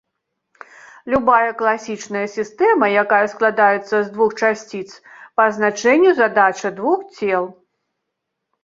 Любая класічная сістэма, якая складаецца з двух часціц, па азначэнню задача двух цел.